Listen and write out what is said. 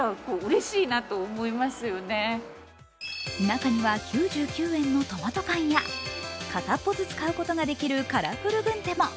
中には９９円のトマト缶や片っぽずつ買うことができるカラフル軍手も。